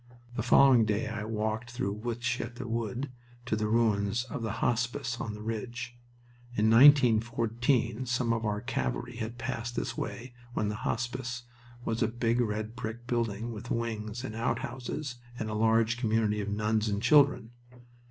The following day I walked through Wytschaete Wood to the ruins of the Hospice on the ridge. In 1914 some of our cavalry had passed this way when the Hospice was a big red brick building with wings and outhouses and a large community of nuns and children.